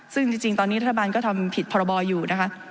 ซึ่งจริงตอนนี้รัฐบาลก็ทำผิดพรบอยู่นะคะ